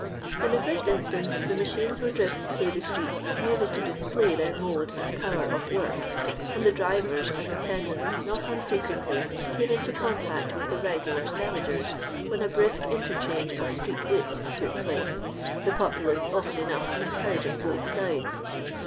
In the first instance the machines were driven through the streets merely to display their mode and power of work, and the drivers and attendants not unfrequently came into cunt^ict with the regular scavagers, when a brisk inter change of street wit took place, the populace often enough eiicouniging both sides.